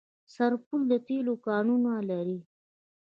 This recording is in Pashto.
سرپل د تیلو کانونه لري